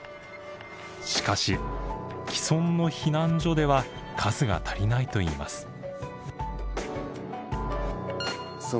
しかし既存の避難所では数が足りないといいます。